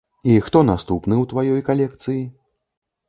І хто наступны ў тваёй калекцыі?